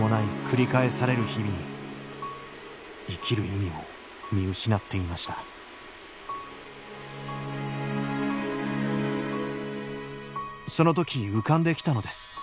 繰り返される日々に生きる意味を見失っていましたその時浮かんできたのです。